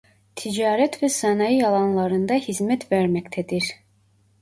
Ticaret ve sanayi alanlarında hizmet vermektedir.